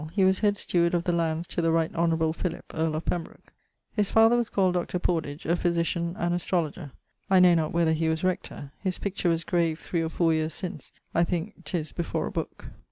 He was head steward of the lands to the right honourable Philip, earl of Pembroke. His father was called Dr. Pordage, a physitian and astrologer; I know not whether he was rector. His picture was graved three or four yeares since, I thinke 'tis before a book.